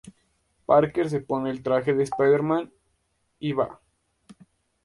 Parker se pone el traje de Spider-Man y va.